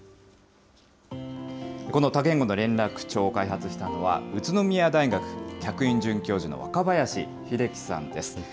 この多言語の連絡帳を開発したのは、宇都宮大学客員准教授の若林秀樹さんです。